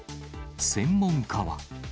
専門家は。